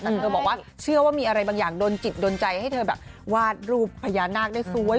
แต่เธอบอกว่าเชื่อว่ามีอะไรบางอย่างโดนจิตโดนใจให้เธอแบบวาดรูปพญานาคได้สวย